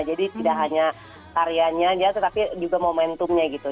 jadi tidak hanya karyanya ya tetapi juga momentumnya gitu